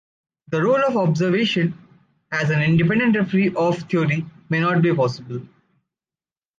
The role of observation as an independent referee of a theory may not be possible.